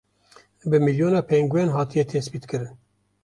Bi milyona pengûen hatiye tespîtkirin.